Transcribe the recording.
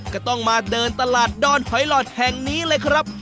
ก็ต้องมาเดินตลาดดอนหอยหลอดแห่งนี้เลยครับ